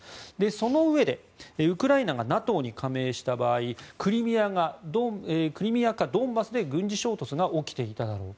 そのうえで、ウクライナがＮＡＴＯに加盟した場合クリミアかドンバスで軍事衝突が起きていただろう。